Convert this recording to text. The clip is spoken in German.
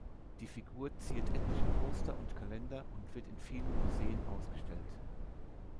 Die Figur ziert etliche Poster und Kalender und wird in vielen Museen ausgestellt.